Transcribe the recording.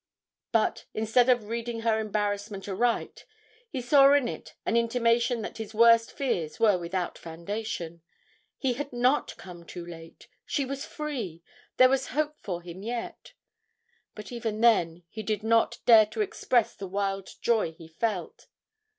But, instead of reading her embarrassment aright, he saw in it an intimation that his worst fears were without foundation. He had not come too late. She was free there was hope for him yet. But even then he did not dare to express the wild joy he felt.